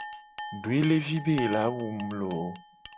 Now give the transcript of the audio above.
Doelevi be ye la wu mu lo !